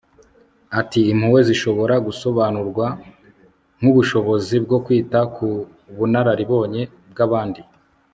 ati impuhwe zishobora gusobanurwa nk'ubushobozi bwo kwita ku bunararibonye bw'abandi